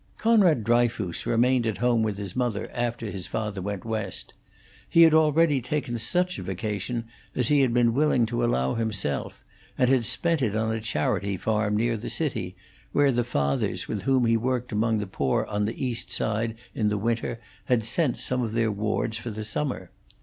Conrad Dryfoos remained at home with his mother after his father went West. He had already taken such a vacation as he had been willing to allow himself, and had spent it on a charity farm near the city, where the fathers with whom he worked among the poor on the East Side in the winter had sent some of their wards for the summer.